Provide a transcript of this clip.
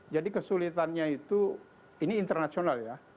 jadi kesulitannya itu ini internasional ya